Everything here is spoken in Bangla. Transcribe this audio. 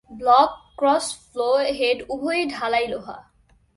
ব্লক এবং ক্রসফ্লো হেড উভয়ই ঢালাই লোহা।